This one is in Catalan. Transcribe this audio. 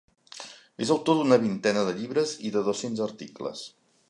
És autor d'una vintena de llibres i de dos-cents articles.